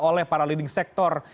oleh para leading sektor